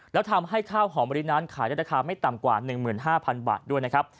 แล้วทำให้ข้าวหอมบรินั้นขายได้ราคาไม่ต่ำกว่า๑๕๐๐๐บาทด้วยนะครับ